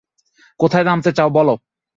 কোথায় নামতে চাও বলো।